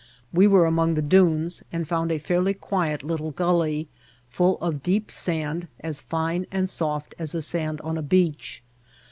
We were among the dunes and found a fairly quiet little gully full of deep sand as fine and soft as the sand on a beach.